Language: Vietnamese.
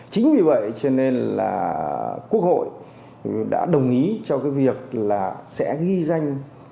chính vì vậy cho nên là quốc hội đã đồng ý cho cái việc là sẽ ghi danh